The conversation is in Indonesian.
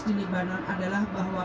di libanon adalah bahwa